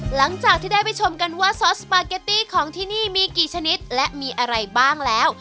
หลังจากที่ได้ไปชมกันว่าซอสสปาเกตตี้ของที่นี่มีกี่ชนิดและมีอะไรบ้างแล้ว